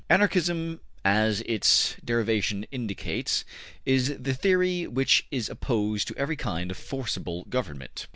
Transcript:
Anarchism, as its derivation indicates, is the theory which is opposed to every kind of forcible government.